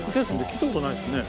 聞いたことないですね。